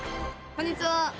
こんにちは。